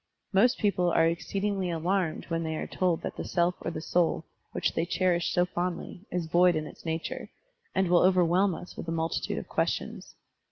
Most people are exceedingly alarmed when they are told that the self or the soul, which they cherished so fondly, is void in its nature, and will overwhelm us with a multitude of questions.